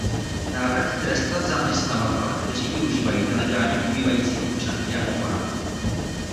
Návrh trestat zaměstnavatele, kteří využívají nelegálně pobývající občany, je aktuální.